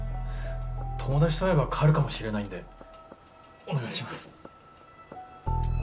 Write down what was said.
友達と会えば変わるかもしれないんでお願いします。